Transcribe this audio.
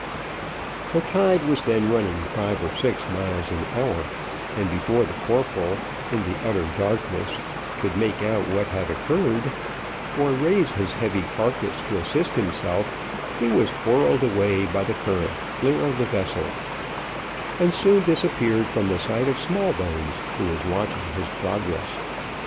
The tide was then running five or six miles an hour, and before the corporal, in the utter darkness, could make out what had occurred, or raise his heavy carcass to assist himself, he was whirled away by the current clear of the vessel, and soon disappeared from the sight of Smallbones, who was watching his progress.